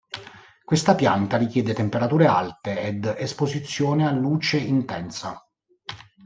Questa pianta richiede temperature alte ed esposizione a luce intensa.